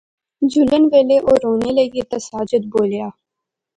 جلن ویلے او رونے لاغی تے ساجد بولیا